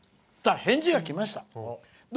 返事が来ました。